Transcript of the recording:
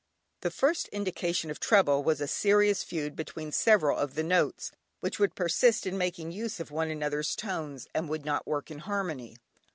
The first indication of trouble was a serious feud between several of the notes, which would persist in making use of one another's tones, and would not work in harmony.